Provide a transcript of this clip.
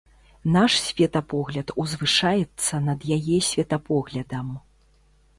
Наш светапогляд узвышаецца над яе светапоглядам.